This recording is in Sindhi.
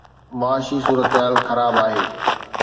معاشي صورتحال خراب آهي.